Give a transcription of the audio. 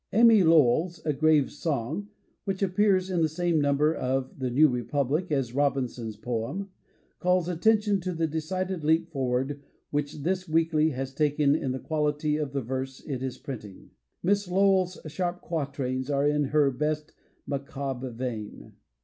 Amy Lowell's "A Grave Song" which appears in the same number of "The New Republic" as Robinson's poem, calls attention to the decided leap forward which this weekly has taken in the quality of the verse it is printing. Miss Lowell's sharp quat rains are in her best macabre vein.